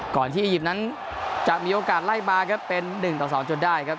ที่อียิปต์นั้นจะมีโอกาสไล่มาครับเป็น๑ต่อ๒จนได้ครับ